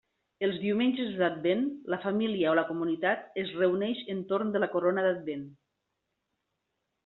Els diumenges d'advent la família o la comunitat es reuneix entorn de la corona d'advent.